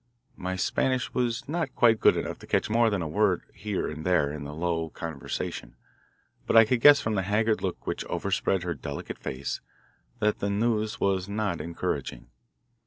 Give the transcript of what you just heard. My Spanish was not quite good enough to catch more than a word here and there in the low conversation, but I could guess from the haggard look which overspread her delicate face that the news was not encouraging.